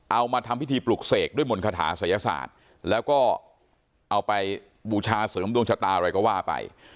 เอามาทำพิธีปลุกเสกด้วยมนต์คาถาศัยศาสตร์แล้วก็เอาไปบูชาเสริมดวงชะตาอะไรก็ว่าไป